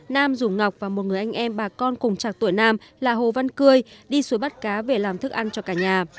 nam dũng ngọc và một người anh em bà con cùng trạc tuổi nam là hồ văn cươi đi xuống bắt cá về làm thức ăn cho cả nhà